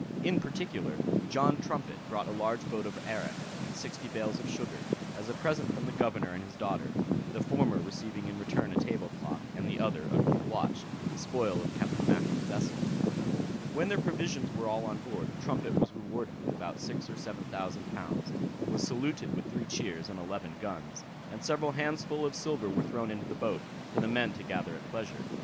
In particular, John Trumpet brought a large boat of arrack, and sixty bales of sugar, as a present from the governor and his daughter; the former receiving in return a table clock, and the other a gold watch, the spoil of Captain Mackra's vessel. When their provisions were all on board, Trumpet was rewarded with about six or seven thousand pounds, was saluted with three cheers, and eleven guns; and several handsfull of silver were thrown into the boat, for the men to gather at pleasure.